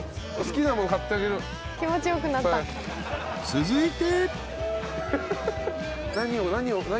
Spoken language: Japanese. ［続いて］